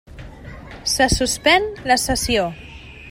Se suspèn la sessió.